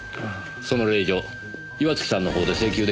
その令状岩月さんの方で請求出来ますか？